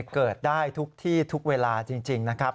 เกิดได้ทุกที่ทุกเวลาจริงนะครับ